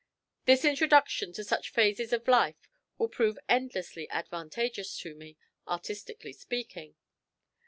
This introduction to such phases of life will prove endlessly advantageous to me, artistically speaking.